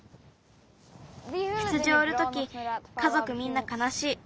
羊をうるときかぞくみんなかなしい。